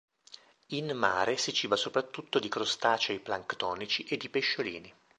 In mare si ciba soprattutto di crostacei planctonici e di pesciolini.